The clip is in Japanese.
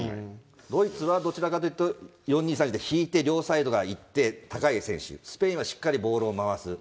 ドイツはどちらかというと、４ー２ー３で引いて、両サイドが行って、高い選手、スペインはしっかりボールを回す。